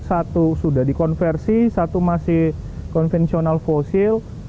satu sudah dikonversi satu masih konvensional fosil